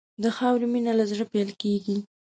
د خاورې مینه له زړه پیل کېږي.